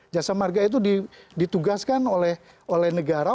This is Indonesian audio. jasa marga itu ditugaskan oleh negara